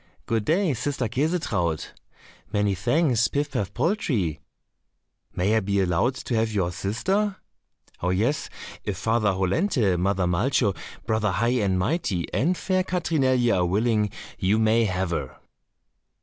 "Good day, sister Käsetraut." "Many thanks, Pif paf poltrie." "May I be allowed to have your sister?" "Oh, yes, if Father Hollenthe, Mother Malcho, Brother High and Mighty, and fair Katrinelje are willing, you may have her."